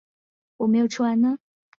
我们商量了一下最后就换成了韩青。